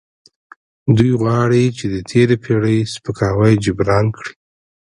دوی غواړي چې د تیرې پیړۍ سپکاوی جبران کړي.